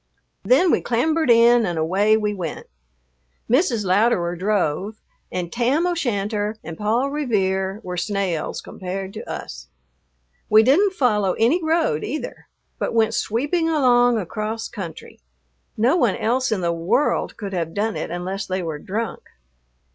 Then we clambered in and away we went. Mrs. Louderer drove, and Tam O'Shanter and Paul Revere were snails compared to us. We didn't follow any road either, but went sweeping along across country. No one else in the world could have done it unless they were drunk.